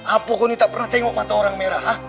apa kau ini tak pernah tengok mata orang merah